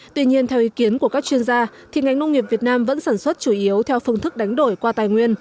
tuy nhiên theo ý kiến của các chuyên gia thì ngành nông nghiệp việt nam vẫn sản xuất chủ yếu theo phương thức đánh đổi qua tài nguyên